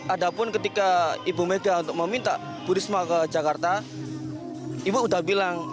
ada pun ketika ibu mega untuk meminta bu risma ke jakarta ibu udah bilang